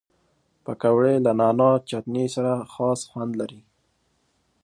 پکورې له نعناع چټني سره خاص خوند لري